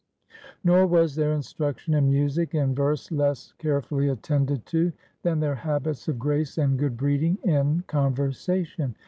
Nor was their instruction in music and verse less care fully attended to than their habits of grace and good breeding in conversation.